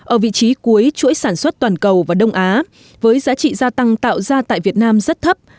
ở vị trí cuối chuỗi sản xuất toàn cầu và đông á với giá trị gia tăng tạo ra tại việt nam rất thấp